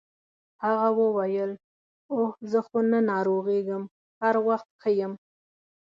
هغه وویل اوه زه خو نه ناروغیږم هر وخت ښه یم.